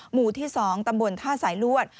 หมู่ที่๒ตำบลท่าสายลวด